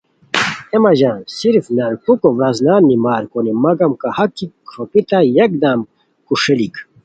اے مہ ژان صرف نرکوکو ورازنان نیمار کونی مگم کاہاک کی کروپھیتائے یکدم کوݰیلیک